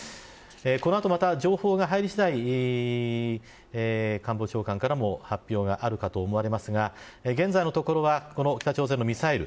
この後、また情報が入り次第官房長官からも発表があるかと思われますが現在のところはこの北朝鮮のミサイル。